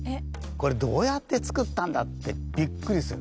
これどうやって作ったんだってびっくりする。